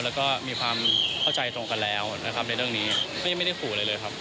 แล้วก็มีความเข้าใจตรงกันแล้วนะครับในเรื่องนี้ไม่ได้ขู่อะไรเลยครับ